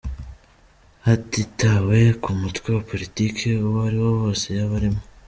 hatitawe ku mutwe wa politiki uwo ari wo wose yaba arimo.